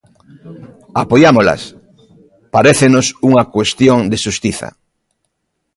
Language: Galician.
Apoiámolas, parécenos unha cuestión de xustiza.